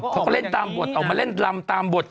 เขาก็เล่นตามบทออกมาเล่นลำตามบท